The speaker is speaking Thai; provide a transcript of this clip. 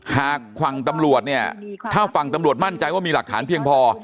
หากฝั่งตำรวจเนี่ยถ้าฝั่งตำรวจมั่นใจว่ามีหลักฐานเพียงพอ